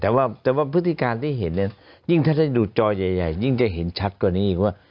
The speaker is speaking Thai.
แต่ว่าพฤติการที่เห็นเนี่ยยิ่งถ้าได้ดูจอใหญ่ยิ่งจะเห็นชัดกว่านี้อีกว่า